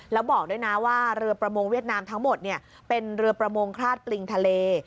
แล้วบอกด้วยนะว่าเรือประมงเวียดนามทั้งหมดเป็นเรือประมงคราดปลิงทะเล